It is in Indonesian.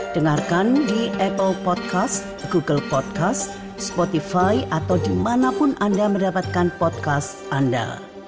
dengarkan di apple podcast google podcast spotify atau dimanapun anda mendapatkan podcast anda